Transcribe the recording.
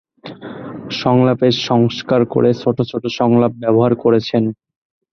সংলাপের সংস্কার করে ছোট ছোট সংলাপ ব্যবহার করেছেন।